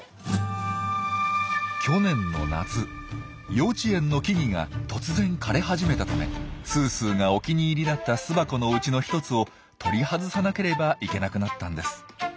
幼稚園の木々が突然枯れ始めたためすーすーがお気に入りだった巣箱のうちの１つを取り外さなければいけなくなったんです。